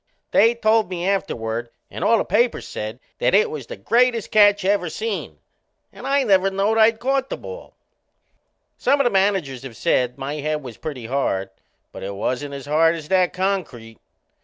They told me afterward and all the papers said that it was the greatest catch ever seen. And I never knowed I'd caught the ball! Some o' the managers have said my head was pretty hard, but it wasn't as hard as that concrete.